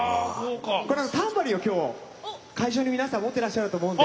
タンバリンを今日会場の皆さん持っていらっしゃると思うので。